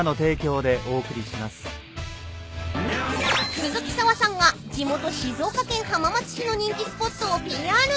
［鈴木砂羽さんが地元静岡県浜松市の人気スポットをＰＲ］